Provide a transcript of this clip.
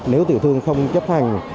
nếu tiểu thương không chấp hành